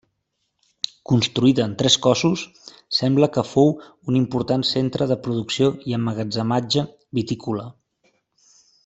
Construïda en tres cossos, sembla que fou un important centre de producció i emmagatzematge vitícola.